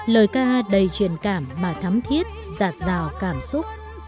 lời ca đầy truyền cảm mà thắm thiết giạt rào cảm xúc